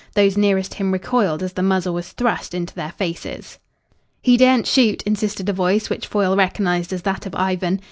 Those nearest to him recoiled as the muzzle was thrust into their faces. "He daren't shoot," insisted a voice which Foyle recognised as that of Ivan.